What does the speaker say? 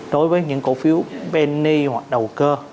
đối với những cổ phiếu penny hoặc đầu cơ